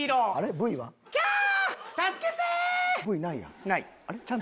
Ｖないやん。